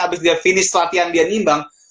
abis dia finish pelatihan dia nimbang